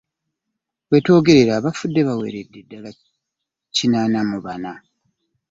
Wetwogerera abafudde baweredde ddala kinaana mu bana.